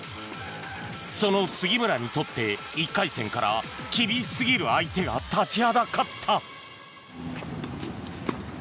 その杉村にとって１回戦から厳しすぎる相手が立ちはだかった。